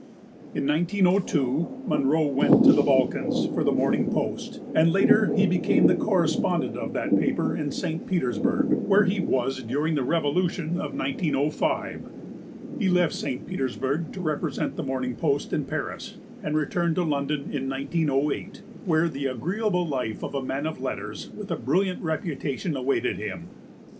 In 1902 Munro went to the Balkans for the Morning Post, and later he became the correspondent of that paper in St. Petersburg, where he was during the revolution of 1905. He left St. Petersburg to represent the Morning Post in Paris, and returned to London in 1908, where the agreeable life of a man of letters with a brilliant reputation awaited him.